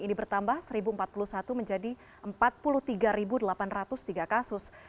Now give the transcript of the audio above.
ini bertambah satu empat puluh satu menjadi empat puluh tiga delapan ratus tiga kasus